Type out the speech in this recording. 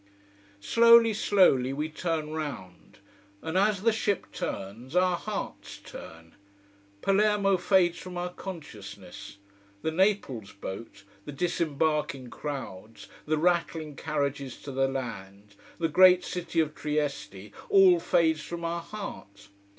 Slowly, slowly we turn round: and as the ship turns, our hearts turn. Palermo fades from our consciousness: the Naples boat, the disembarking crowds, the rattling carriages to the land the great City of Trieste all fades from our heart.